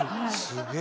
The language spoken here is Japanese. すげえ。